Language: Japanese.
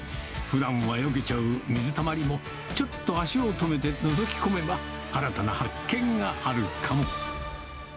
ふだんはよけちゃう水たまりも、ちょっと足を止めて、のぞき込めば、新たな発見があるかも。